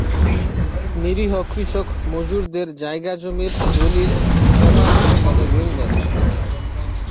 নিরীহ কৃষক-মজুরদের জায়গা-জমির দলিল জমা রেখে তাদের ঋণ দেন।